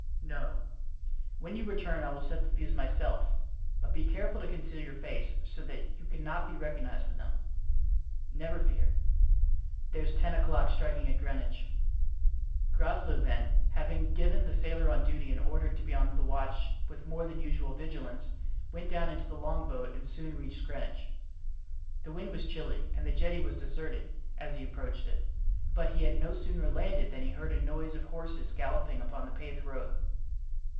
"No. When you return I will set the fuse myself, but be careful to conceal your face, so that you cannot be recognized by them." "Never fear." "There's ten o'clock striking at Greenwich." Groslow, then, having given the sailor on duty an order to be on the watch with more than usual vigilance, went down into the longboat and soon reached Greenwich. The wind was chilly and the jetty was deserted, as he approached it; but he had no sooner landed than he heard a noise of horses galloping upon the paved road.